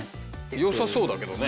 良さそうだけどね。